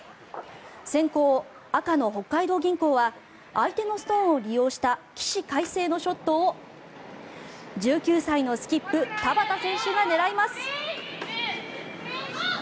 先攻、赤の北海道銀行は相手のストーンを利用した起死回生のショットを１９歳のスキップ、田畑選手が狙います。